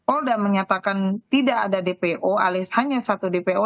polda menyatakan tidak ada dpo alias hanya satu dpo